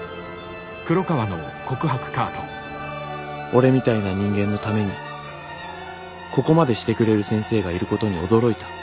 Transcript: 「俺みたいな人間のためにここまでしてくれる先生がいることに驚いた。